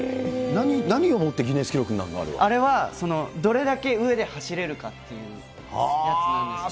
何をもってギネス記録になるあれは、どれだけ上で走れるかっていうやつなんですけど。